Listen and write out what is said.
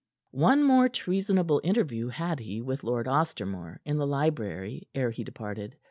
One more treasonable interview had he with Lord Ostermore in the library ere he departed.